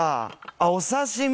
あっお刺身！